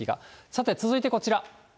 さて、続いてこちら。